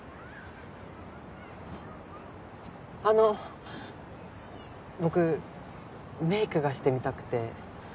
あの僕メイクがしてみたくて。